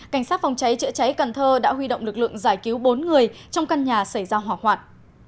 cảnh sát phòng cháy chữa cháy cần thơ đã huy động lực lượng giải cứu bốn người trong căn nhà xảy ra hỏa hoạn